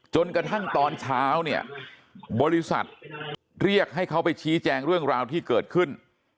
จนกระทั่งตอนเช้าเนี่ยบริษัทเรียกให้เขาไปชี้แจงเรื่องราวที่เกิดขึ้น